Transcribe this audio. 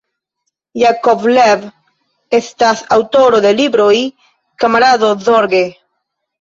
Jakovlev estas aŭtoro de libroj "Kamarado Zorge.